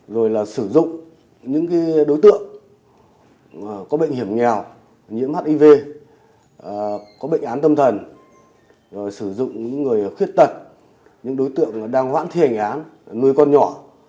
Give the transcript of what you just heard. rồi là sử dụng những đối tượng có bệnh hiểm nghèo nhiễm hiv có bệnh án tâm thần rồi sử dụng những người khuyết tật những đối tượng đang hoãn thi hành án nuôi con nhỏ